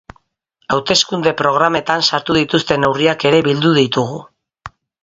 Hauteskunde programetan sartu dituzten neurriak ere bildu ditugu.